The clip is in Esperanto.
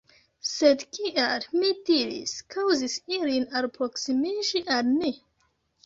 Sed kial, mi diris, kaŭzis ilin alproksimiĝi al ni?